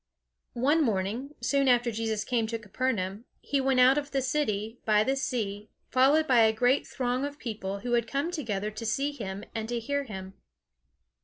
One morning, soon after Jesus came to Capernaum, he went out of the city, by the sea, followed by a great throng of people, who had come together to see him and to hear him.